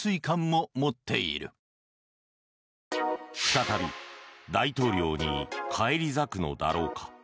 再び大統領に返り咲くのだろうか？